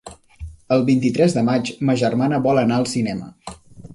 El vint-i-tres de maig ma germana vol anar al cinema.